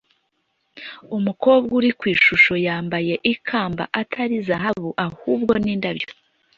umukobwa uri ku ishusho yambaye ikamba atari zahabu ahubwo ni indabyo